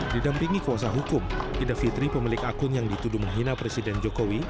didampingi kuasa hukum ida fitri pemilik akun yang dituduh menghina presiden jokowi